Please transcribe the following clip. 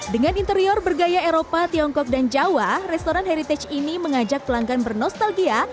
dengan interior bergaya eropa tiongkok dan jawa restoran heritage ini mengajak pelanggan bernostalgia